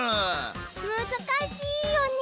むずかしいよね。